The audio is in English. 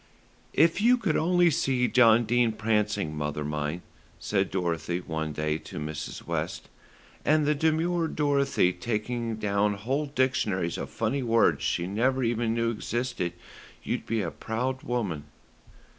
"If you could only see John Dene prancing, mother mine," said Dorothy one day to Mrs. West, "and the demure Dorothy taking down whole dictionaries of funny words she never even knew existed, you'd be a proud woman."